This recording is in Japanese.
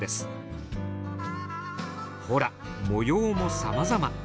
ほら模様もさまざま。